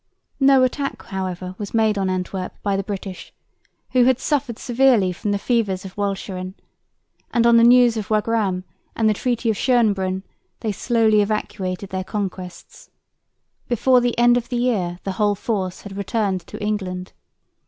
No attack however was made on Antwerp by the British, who had suffered severely from the fevers of Walcheren; and on the news of Wagram and the Treaty of Schönbrunn they slowly evacuated their conquests. Before the end of the year the whole force had returned to England.